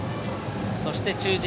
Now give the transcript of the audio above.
そして中軸。